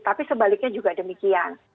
tapi sebaliknya juga demikian